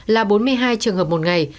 là bốn mươi hai trường hợp một ngày